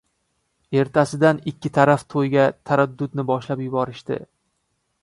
Ertasidan ikki taraf to‘yga taraddudni boshlab yuborishdi